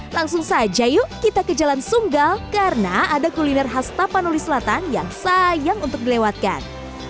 langsung saja yuk kita ke jalan sunggal karena ada kuliner khas tapanuli selatan yang sayang untuk dilewatkan